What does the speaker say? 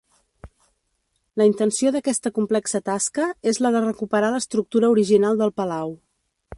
La intenció d'aquesta complexa tasca és la de recuperar l'estructura original del palau.